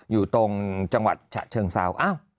อยู่ตรงจังหวัดเชิงเซาอ้าว